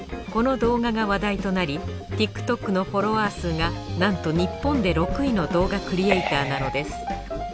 この動画が話題となりＴｉｋＴｏｋのフォロワー数がなんと日本で６位の動画クリエイターなのです。